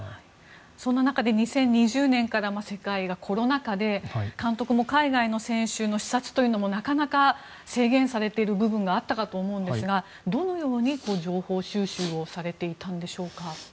そんな中で２０２０年から世界はコロナ禍で監督も海外の選手の視察というのもなかなか制限されている部分があったかと思うんですがどのように情報収集をされていたんでしょうか。